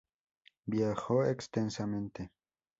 Viajó extensamente.